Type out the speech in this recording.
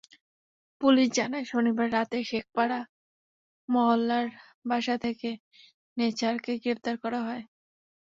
Police জানায়, শনিবার রাতে শেখপাড়া মহল্লার বাসা থেকে নেছারকে গ্রেপ্তার করা হয়।